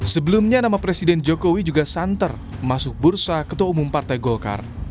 sebelumnya nama presiden jokowi juga santer masuk bursa ketua umum partai golkar